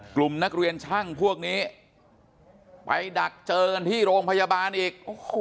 กลุ่มนักเรียนช่างพวกนี้ไปดักเจอกันที่โรงพยาบาลอีก